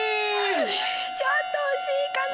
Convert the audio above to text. ちょっとおしいかな。